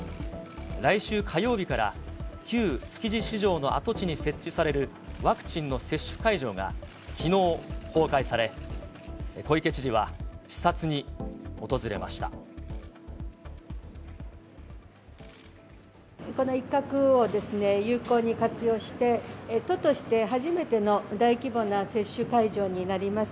来週火曜日から、旧築地市場の跡地に設置されるワクチンの接種会場がきのう公開さこの一角を、有効に活用して、都として初めての大規模な接種会場になります。